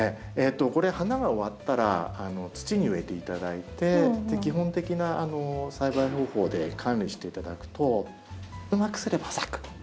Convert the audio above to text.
これ花が終わったら土に植えていただいて基本的な栽培方法で管理していただくとうまくすれば咲く。